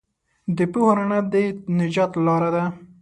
د پوهې رڼا د نجات لار ده.